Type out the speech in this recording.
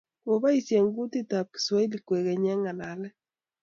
kiboisien kotetab kiswahili kwekeny eng' ng'alale